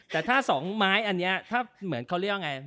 แต่ถ้า๒ไม้ถ้า๒มาร์ท